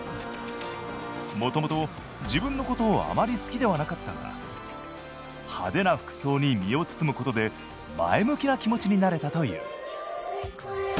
もともと自分のことをあまり好きではなかったが派手な服装に身を包むことで前向きな気持ちになれたという。